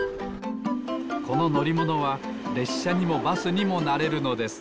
こののりものはれっしゃにもバスにもなれるのです。